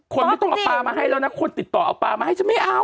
คนไม่ต้องเอาปลามาให้แล้วนะคนติดต่อเอาปลามาให้ฉันไม่เอา